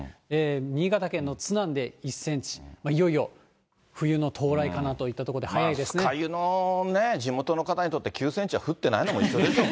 新潟県の津南で１センチ、いよいよ冬の到来かなといったところで、酸ケ湯の地元の方にとっては９センチは降ってないのも一緒でしょ。